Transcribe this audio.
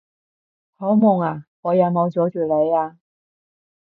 好忙呀？我有冇阻住你呀？